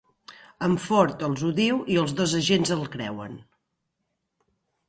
En Ford els ho diu i els dos agents el creuen.